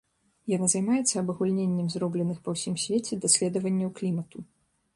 Яна займаецца абагульненнем зробленых па ўсім свеце даследаванняў клімату.